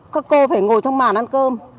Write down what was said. các cô phải ngồi trong màn ăn cơm